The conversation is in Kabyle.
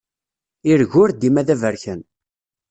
Ireg ur dima d aberkan.